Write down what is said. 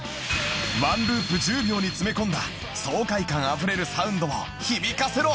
１ループ１０秒に詰め込んだ爽快感あふれるサウンドを響かせろ！